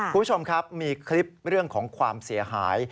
คุณผู้ชมครับมีคลิปเรื่องของความเสียหาย